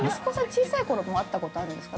小さいころも会ったことあるんですか。